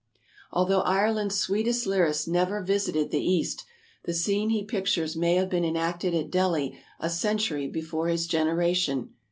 Although Ireland's sweetest lyrist never visited the East, the scene he pictures may have been enacted at Delhi a century before his generation.